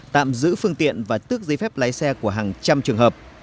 tạm giữ phương tiện và tước giấy phép lái xe của hàng trăm trường hợp